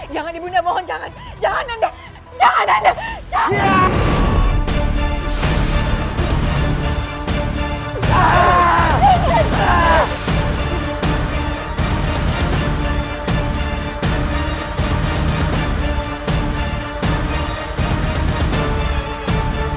jika ibu tidak mau membahasiku sekarang